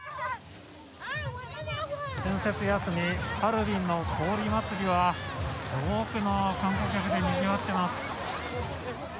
春節休み、ハルビンの氷祭りは多くの観光客でにぎわってます。